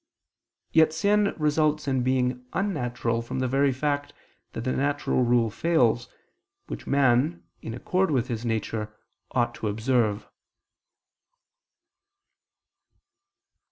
Yet sin results in being unnatural from the very fact that the natural rule fails, which man, in accord with his nature, ought to observe.